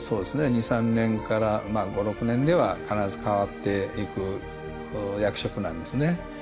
２３年から５６年では必ず変わっていく役職なんですね。